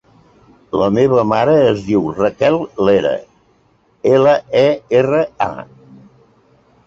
La meva mare es diu Raquel Lera: ela, e, erra, a.